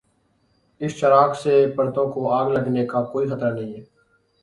اس چراغ سے پردوں کو آگ لگنے کا کوئی خطرہ نہیں۔